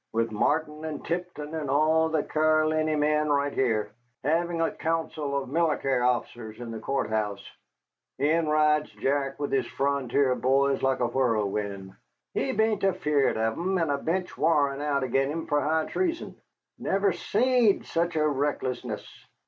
"With Martin and Tipton and all the Caroliny men right heah, having a council of mility officers in the court house, in rides Jack with his frontier boys like a whirlwind. He bean't afeard of 'em, and a bench warrant out ag'in him for high treason. Never seed sech a recklessness.